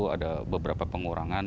ada beberapa pengurangan